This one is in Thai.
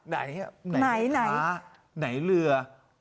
ไหนแม่ค้าไหนเรือ